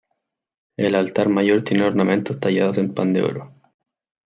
El altar mayor tiene ornamentos tallados en pan de oro.